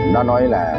nó nói là